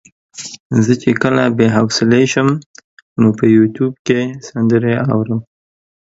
زه چې کله بې حوصلې شم نو په يوټيوب کې سندرې اورم.